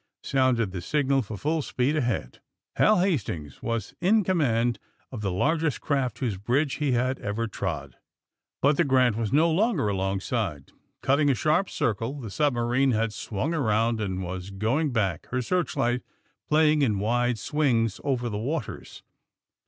sounded the signal for full speed ahead. Hal Hastings was in com mand of the largest craft whose bridge he had ever trod. But the ^' Grant'' was no longer alongside. Cutting a sharp circle the submarine had swung around and was going back, her searchlight playing in wide swings over the waters.